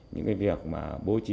những việc mà bố trí